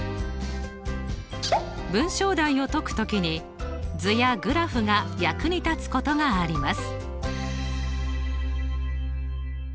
文章題を解くときに図やグラフが役に立つことがあります。